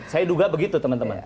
saya duga begitu teman teman